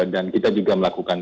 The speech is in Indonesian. dan kita juga melakukan